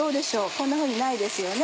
こんなふうにないですよね。